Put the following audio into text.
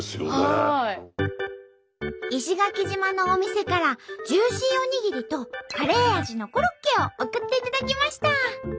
石垣島のお店からジューシーおにぎりとカレー味のコロッケを送っていただきました！